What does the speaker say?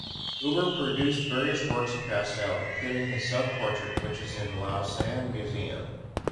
Huber produced various works in pastel, including his self-portrait which is in Lausanne museum.